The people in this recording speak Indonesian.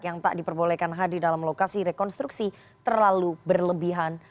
yang tak diperbolehkan hadir dalam lokasi rekonstruksi terlalu berlebihan